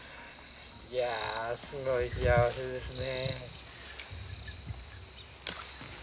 すごい幸せですね。